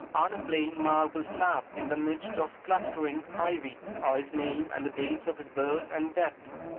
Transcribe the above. On a plain marble slab in the midst of clustering ivy are his name and the dates of his birth and death.